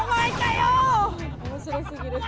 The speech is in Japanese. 面白すぎる